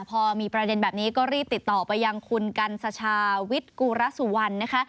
พอมีประเด็นแบบนี้ก็รีบติดต่อไปยังคุณกันสชาววิทย์กุระสุวรรณนะคะ